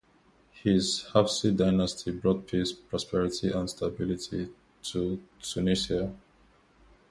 His Hafsid dynasty brought peace, prosperity, and stability to Tunisia.